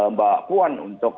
mbak puan untuk